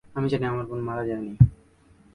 আমি জানি আমার বোন মারা যায়নি।